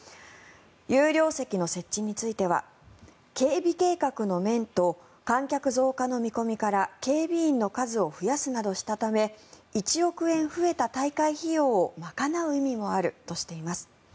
有料席の設置については警備計画の面と観客増加の見込みから警備員の数を増やすなどしたため１億円増えた大会費用を賄う意味もあるとしています。